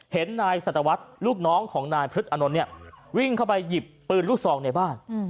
เห็นนายสัตวรรษลูกน้องของนายพฤษอานนท์เนี่ยวิ่งเข้าไปหยิบปืนลูกซองในบ้าน